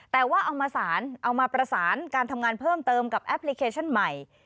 แต่ว่าเอามาสารเอามาประสานการทำงานเพิ่มเติมกับแอปพลิเคชันใหม่